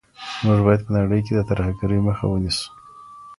موږ باید په نړۍ کي د ترهګرۍ مخه ونیسو.